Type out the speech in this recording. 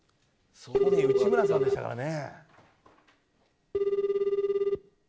去年内村さんでしたからね。